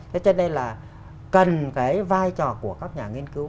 thế cho nên là cần cái vai trò của các nhà nghiên cứu